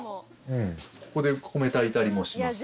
ここで米炊いたりもします。